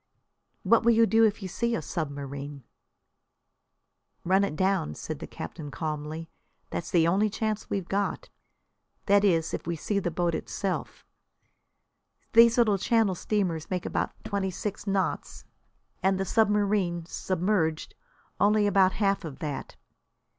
"What will you do if you see a submarine?' "Run it down," said the captain calmly. "That's the only chance we've got. That is, if we see the boat itself. These little Channel steamers make about twenty six knots, and the submarine, submerged, only about half of that.